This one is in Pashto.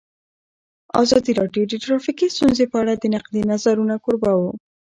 ازادي راډیو د ټرافیکي ستونزې په اړه د نقدي نظرونو کوربه وه.